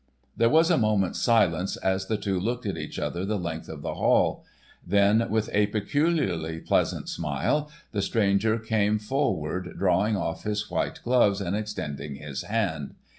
There was a moment's silence as the two looked at each other the length of the Hall; then with a peculiarly pleasant smile the stranger came forward drawing off his white glove and extending his hand.